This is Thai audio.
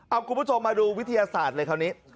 เอาคุณผู้ชมมาดูวิทยาศาสตร์เลยคราวนี้